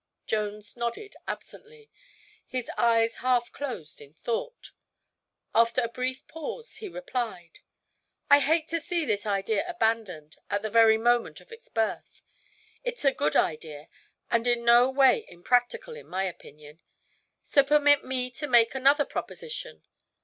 Jones nodded absently, his eyes half closed in thought. After a brief pause he replied: "I hate to see this idea abandoned at the very moment of its birth. It's a good idea, and in no way impractical, in my opinion. So permit me to make another proposition.